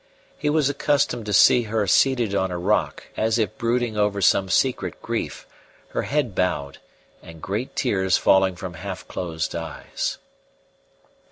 He was accustomed to see her seated on a rock, as if brooding over some secret grief, her head bowed, and great tears falling from half closed eyes.